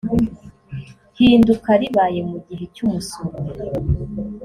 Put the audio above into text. hinduka ribaye mu gihe cy umusoro